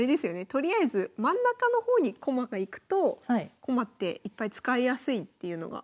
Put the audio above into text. とりあえず真ん中の方に駒が行くと駒っていっぱい使いやすいっていうのが。